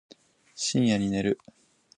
深夜に寝る